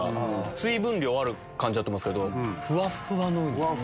水分量ある感じだと思いますけどふわふわのウニ。